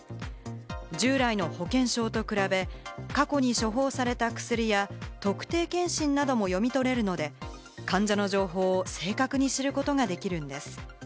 従来の保険証と比べ、過去に処方された薬や特定健診なども読み取れるので、患者の情報を正確に知ることができるんです。